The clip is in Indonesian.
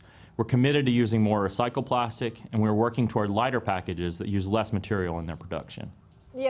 kami bersemangat untuk menggunakan plastik yang lebih terbaik dan kami sedang bekerja untuk paket yang lebih ringan yang menggunakan lebih kurang bahan dalam produksi mereka